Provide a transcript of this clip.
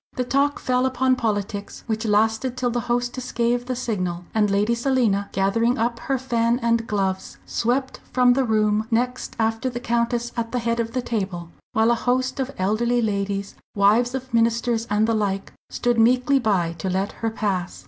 The talk fell upon politics, which lasted till the hostess gave the signal, and Lady Selina, gathering up her fan and gloves, swept from the room next after the Countess at the head of the table, while a host of elderly ladies, wives of ministers and the like, stood meekly by to let her pass.